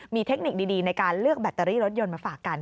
มีเทคนิคดีในการเลือกแบตเตอรี่รถยนต์มาฝากกัน